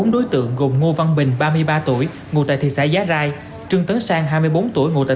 bốn đối tượng gồm ngô văn bình ba mươi ba tuổi ngụ tại thị xã giá rai trương tấn sang hai mươi bốn tuổi ngụ tại